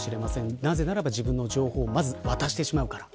なぜならば、自分の情報をまず渡してしまうから。